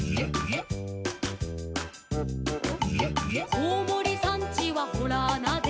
「こうもりさんちはほらあなで」